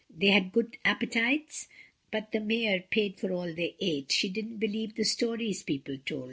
They had good appetites, but the mayor paid for all they ate; she didn't believe the stories people told.